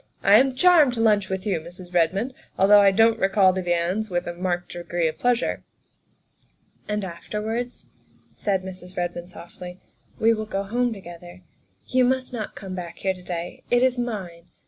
" I am charmed to lunch with you, Mrs. Redmond, although I don 't recall the viands with a marked degree of pleasure." "And afterwards," said Mrs. Redmond softly, " we will go home together; you must not come back here to day it is mine.